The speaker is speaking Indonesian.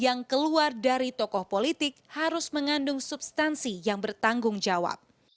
yang keluar dari tokoh politik harus mengandung substansi yang bertanggung jawab